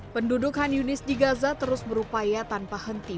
penduduk khan yunis di gaza terus berupaya tanpa henti